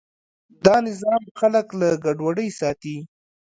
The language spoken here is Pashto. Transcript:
دا نظم خلک له ګډوډۍ ساتي.